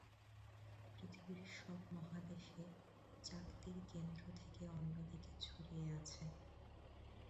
পৃথিবীর সব মহাদেশে চাকতির কেন্দ্র থেকে অন্যদিকে ছড়িয়ে আছে।